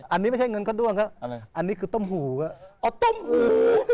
อันนี้ไม่ใช่เงินพลดล่วงครับอะไรอันนี้คือต้มหูอ่ะอ๋อต้มหู